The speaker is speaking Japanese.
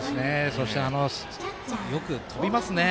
そしてよく飛びますね。